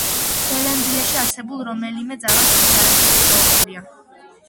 ბელერიანდში არსებულ რომელიმე ძალას იგი არასოდეს დაუპყრია.